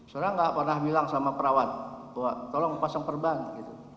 saudara nggak pernah bilang sama perawat bahwa tolong pasang perban gitu